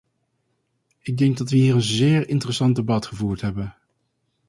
Ik denk dat we hier een zeer interessant debat gevoerd hebben.